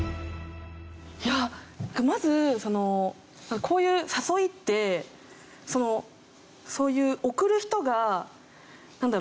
いやまずそのこういう誘いってそういう送る人がなんだろう？